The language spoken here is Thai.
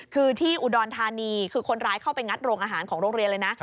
คือที่อุดรธานีคือคนร้ายเข้าไปงัดโรงอาหารของโรงเรียนเลยนะ